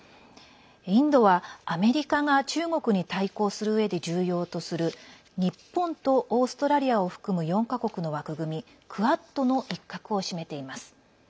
インドはアメリカが中国に対抗するうえで重要とする日本とオーストラリアを含む４か国の枠組みクアッドの一角を占めています。